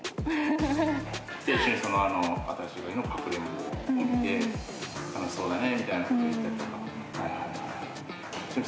一緒に『新しいカギ』のかくれんぼを見て楽しそうだねみたいなことを言ったりとか？